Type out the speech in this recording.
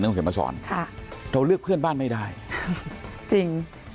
คุณเขียนมาสอนค่ะเราเลือกเพื่อนบ้านไม่ได้จริง